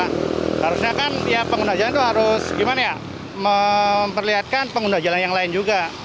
harusnya kan ya pengguna jalan itu harus gimana ya memperlihatkan pengguna jalan yang lain juga